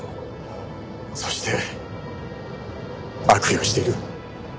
そして悪用している。